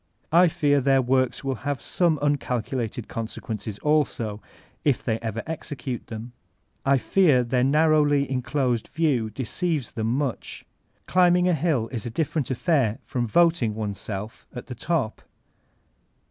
I fear their works will have some tincalculated consequences also, if ever they execute them ; I fear their narrowly enclosed view deceives them mnch. Climbing a hill is a different affair from voting oneself at the top.